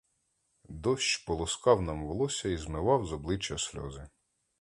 Дощ полоскав нам волосся й змивав з обличчя сльози.